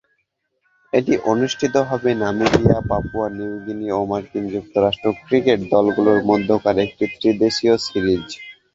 এটি অনুষ্ঠিত হবে নামিবিয়া, পাপুয়া নিউ গিনি ও মার্কিন যুক্তরাষ্ট্র ক্রিকেট দলগুলোর মধ্যকার একটি ত্রি-দেশীয় সিরিজ।